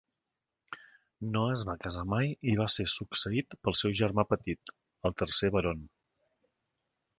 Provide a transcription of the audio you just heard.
No es va casar mai i va ser succeït pel seu germà petit, el tercer Baron.